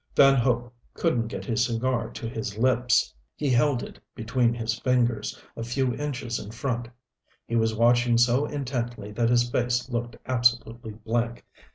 Van Hope couldn't get his cigar to his lips. He held it between his fingers, a few inches in front. He was watching so intently that his face looked absolutely blank.